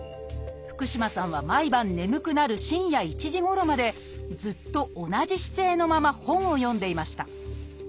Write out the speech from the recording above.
福嶋さんは毎晩眠くなる深夜１時ごろまでずっと同じ姿勢のまま本を読んでいました。